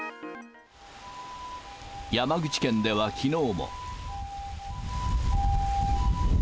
山口県ではきのうも。